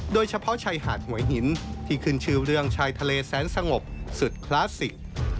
โดยเฉพาะชายหาดหัวหินที่ขึ้นชื่อเรื่องชายทะเลแสนสงบสุดคลาสสิก